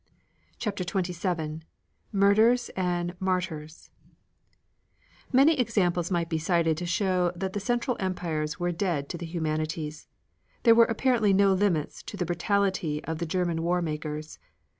CHAPTER XXVII MURDERS AND MARTYRS Many examples might be cited to show that the Central empires were dead to the humanities. There were apparently no limits to the brutality of the German war makers.